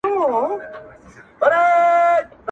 لنډۍ په غزل کي، درېیمه برخه.!